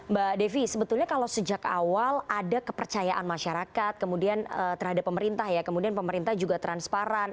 mbak devi sebetulnya kalau sejak awal ada kepercayaan masyarakat kemudian terhadap pemerintah ya kemudian pemerintah juga transparan